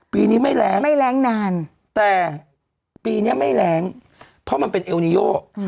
ปีนี้ไม่แรงไม่แรงนานแต่ปีนี้ไม่แรงเพราะมันเป็นเอลนิโย